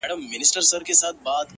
سترګي دي هغسي نسه وې نسه یي ـ یې کړمه